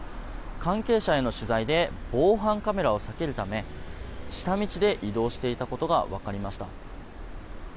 関係者への取材で防犯カメラを避けるため下道で移動していたことが分かりました。